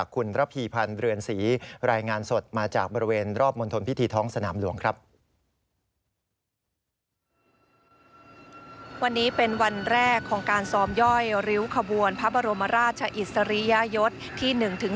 การซ้อมย่อยริ้วขบวนพระบรมราชอิสริยะยศที่๑๓